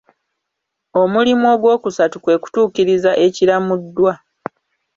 Omulimu ogwokusatu kwe kutuukiriza ekiramuddwa.